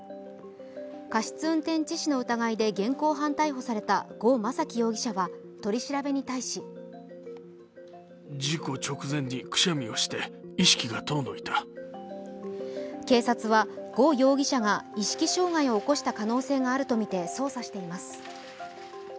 過失運転致死の疑いで現行犯逮捕された呉昌樹容疑者は取り調べに対し警察は、呉容疑者が意識障害を起こした可能性があるとみて捜査しています。